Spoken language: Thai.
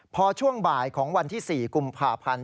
พอช่วงบ่ายของวันที่๔กุมภาพันธ์